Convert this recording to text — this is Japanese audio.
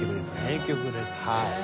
名曲ですね。